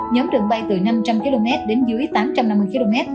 nhóm đường bay từ năm trăm linh km đến dưới tám trăm năm mươi km